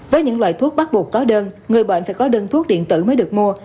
với những loại thuốc bắt buộc có đơn người bệnh phải có đơn thuốc điện tử mới được mua